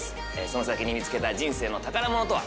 その先に見つけた人生の宝物とは？